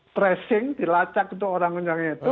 tracing dilacak itu orang orangnya itu